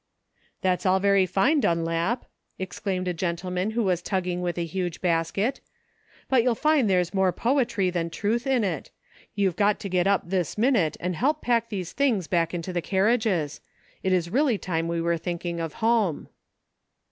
" That's all very fine, Dunlap," exclaimed a gen SEEKING STEPPING STONES. 21 5 tleman who was tugging with a huge basket, " but you'll find there's more poetry than truth in it ; you've got to get up this minute and help pack these things back into the carriages ; it is really time we were thinking of home."